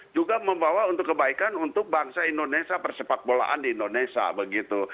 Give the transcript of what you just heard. juga membawa untuk kebaikan untuk bangsa indonesia persepak bolaan di indonesia begitu